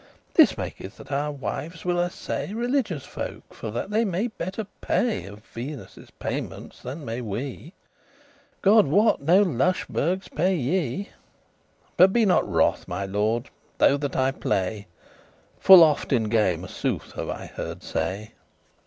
This maketh that our wives will assay Religious folk, for they may better pay Of Venus' payementes than may we: God wot, no lusheburghes <6> paye ye. But be not wroth, my lord, though that I play; Full oft in game a sooth have I heard say."